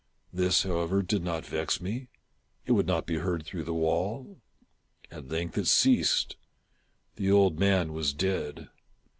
This, however, did not vex me ; it would not be heard through the wall. At length it ceased. The old man was dead.